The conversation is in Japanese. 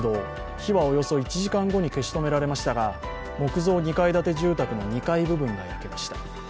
火はおよそ１時間後に消し止められましたが木造２階建て住宅の２階部分が焼けました。